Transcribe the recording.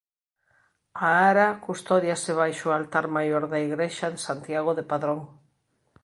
A ara custódiase baixo o altar maior da igrexa de Santiago de Padrón.